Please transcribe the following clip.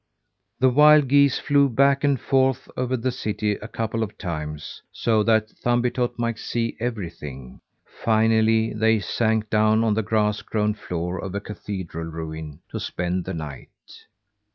The wild geese flew back and forth over the city a couple of times, so that Thumbietot might see everything. Finally they sank down on the grass grown floor of a cathedral ruin to spend the night.